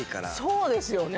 そうですよね。